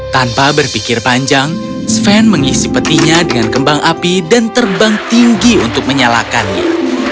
tanpa berpikir panjang sven mengisi petinya dengan kembang api dan terbang tinggi untuk menyalakannya